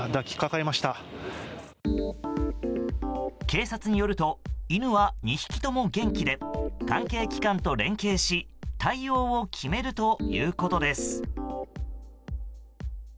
警察によると犬は２匹とも元気で関係機関と連携し対応を決めるということです。